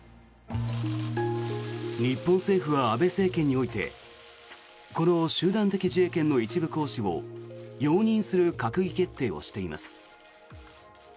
日本政府は、安倍政権においてこの集団的自衛権の一部行使を容認する閣議決定をしています。